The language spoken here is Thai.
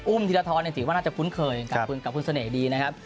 ธีรทรถือว่าน่าจะคุ้นเคยกับคุณเสน่ห์ดีนะครับ